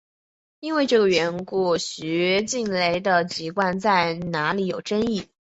因为这个缘故徐静蕾的籍贯在哪里有争议。